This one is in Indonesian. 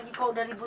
jangan lupa bu